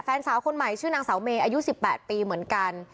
แฟนสาวคนใหม่ชื่อนางสาวเมย์อายุ๑๘ปีเหมือนกัน